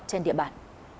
trên địa bàn